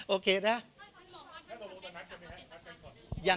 โอเคนะ